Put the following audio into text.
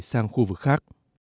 sang khu vực khác